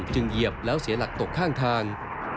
เหยียบแล้วเสียหลักตกข้างทาง